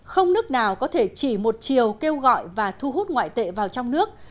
không nước nào có thể chỉ một chiều kêu gọi và thu hút ngoại tệ vào trong nước